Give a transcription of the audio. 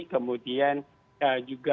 kemudian juga membatasi penyakit